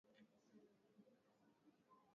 misaada ya serikali Idadi kubwa ya wawakilishi